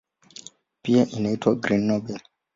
Pia inaitwa "Green Nobel".